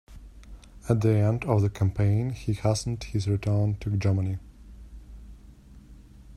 At the end of the campaign he hastened his return to Germany.